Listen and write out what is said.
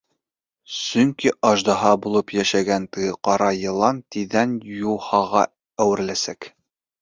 Сөнки аждаһа булып йәшәгән теге ҡара йылан тиҙҙән юхаға әүереләсәк.